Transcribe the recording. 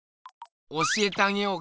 教えてあげようか？